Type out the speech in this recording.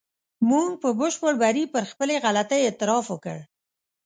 موږ په بشپړ بري پر خپلې غلطۍ اعتراف وکړ.